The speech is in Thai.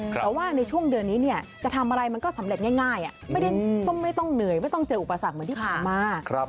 แต่ว่าในช่วงเดือนนี้จะทำอะไรมันก็สำเร็จง่ายไม่ต้องเหนื่อยไม่ต้องเจออุปสรรคเหมือนที่ผ่านมา